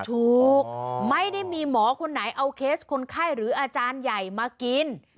ถูกไม่ได้มีหมอคนไหนเอาเคสคนไข้หรืออาจารย์ใหญ่มากิน